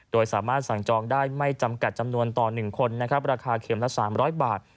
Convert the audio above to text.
โดยสามารถสั่งจองได้ไม่จำกัดจำนวนต่อ๑คนนะครับราคาเข็มละ๓๐๐บาท